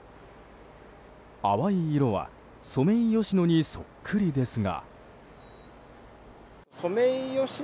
淡い色は、ソメイヨシノにそっくりですが。